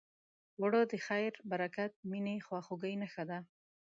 اوړه د خیر، برکت، مینې، خواخوږۍ نښه ده